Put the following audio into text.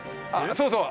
そうそう。